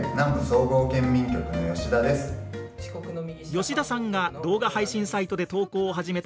吉田さんが動画配信サイトで投稿を始めたのは去年７月。